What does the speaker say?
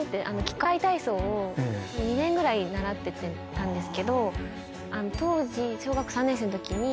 器械体操を２年ぐらい習ってたんですけど当時小学３年生のときに。